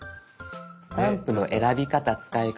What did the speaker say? スタンプの選び方使い方